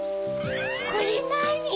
これなに？